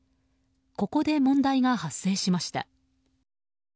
ここで問題が発生しました。